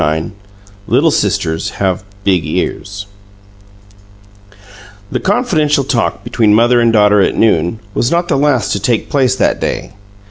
IX LITTLE SISTERS HAVE BIG EARS The confidential talk between mother and daughter at noon was not the last to take place that day.